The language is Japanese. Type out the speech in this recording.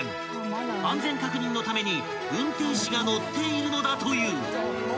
［安全確認のために運転士が乗っているのだという］